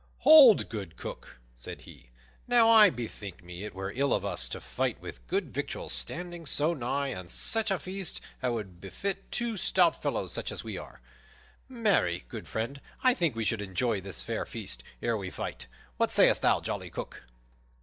"Hold, good Cook!" said he. "Now, I bethink me it were ill of us to fight with good victuals standing so nigh, and such a feast as would befit two stout fellows such as we are. Marry, good friend, I think we should enjoy this fair feast ere we fight. What sayest thou, jolly Cook?"